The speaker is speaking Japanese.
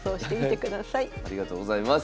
ありがとうございます。